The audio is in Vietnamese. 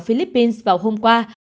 philippines vào hôm qua